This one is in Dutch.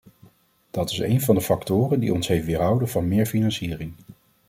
Dat is een van de factoren die ons heeft weerhouden van meer financiering.